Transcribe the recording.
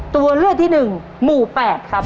ตัวเลือกที่๑หมู่๘ครับ